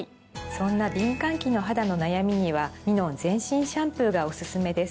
そんな敏感期の肌の悩みにはミノン全身シャンプーがオススメです。